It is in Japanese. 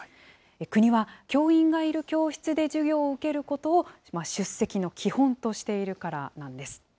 国は教員がいる教室で授業を受けることを、出席の基本としているからなんです。